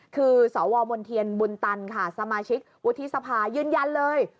คือสวมนเทียนบุญตันค่ะสมาชิกวุฒิสภายืนยันเลย